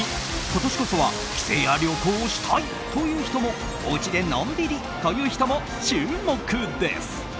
今年こそは帰省や旅行をしたいという人もお家でのんびりという人も注目です。